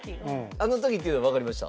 あの時っていうのわかりました？